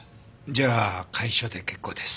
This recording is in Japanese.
じゃあ楷書で結構です。